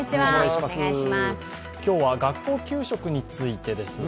今日は学校給食についてです。